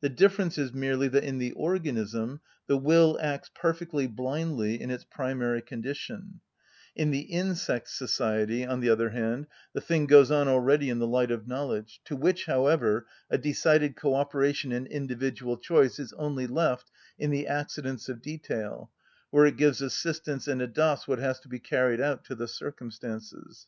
The difference is merely that in the organism the will acts perfectly blindly in its primary condition; in the insect society, on the other hand, the thing goes on already in the light of knowledge, to which, however, a decided co‐operation and individual choice is only left in the accidents of detail, where it gives assistance and adopts what has to be carried out to the circumstances.